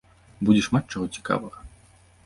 Будзе шмат чаго цікавага!